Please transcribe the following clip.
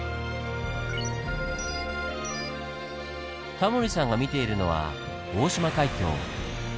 タモリさんが見ているのは大島海峡。